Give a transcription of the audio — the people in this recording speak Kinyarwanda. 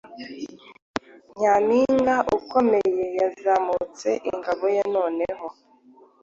Nyampinga ukomeye yazamutse ingabo ye noneho